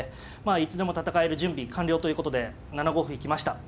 あいつでも戦える準備完了ということで７五歩行きました。